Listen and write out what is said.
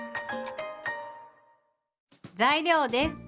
材料です。